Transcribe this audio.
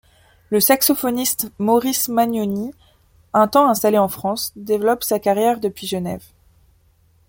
Le saxophoniste Maurice Magnoni, un temps installé en France, développe sa carrière depuis Genève.